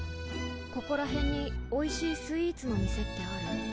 ここら辺においしいスイーツの店ってある？